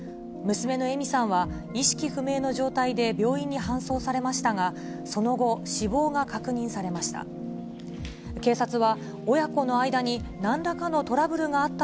娘の枝美さんは意識不明の状態で病院に搬送されましたが、その後、死亡が確認されました。